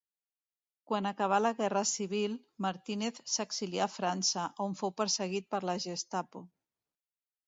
Quan acabà la guerra civil, Martínez s'exilià a França, on fou perseguit per la Gestapo.